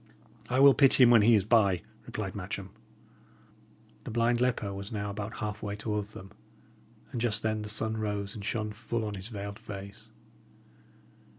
"I will pity him when he is by," replied Matcham. The blind leper was now about halfway towards them, and just then the sun rose and shone full on his veiled face.